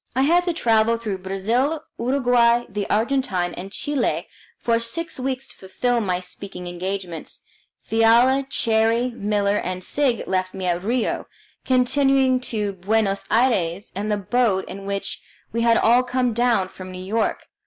I had to travel through Brazil, Uruguay, the Argentine, and Chile for six weeks to fulfil my speaking engagements. Fiala, Cherrie, Miller, and Sigg left me at Rio, continuing to Buenos Aires in the boat in which we had all come down from New York.